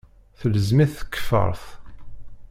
Telzem-it tkeffart.